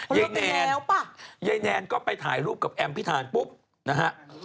ยายแนนยายแนนก็ไปถ่ายรูปกับแอมพิธานปุ๊บนะฮะ